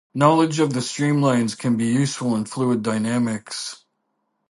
Knowledge of the streamlines can be useful in fluid dynamics.